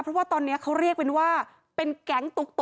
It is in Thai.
เพราะว่าตอนนี้เขาเรียกเป็นว่าเป็นแก๊งตุ๊ก